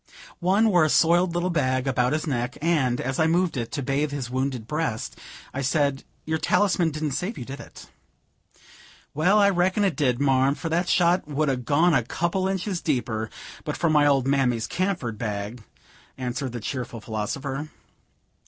One wore a soiled little bag about his neck, and, as I moved it, to bathe his wounded breast, I said, "Your talisman didn't save you, did it?" "Well, I reckon it did, marm, for that shot would a gone a couple a inches deeper but for my old mammy's camphor bag," answered the cheerful philosopher.